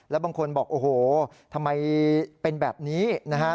แล้วบางคนบอกโอ้โหทำไมเป็นแบบนี้นะฮะ